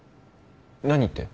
何って？